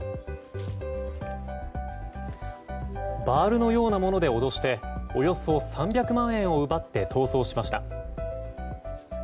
バールのようなもので脅しておよそ３００万円を奪って逃走しました。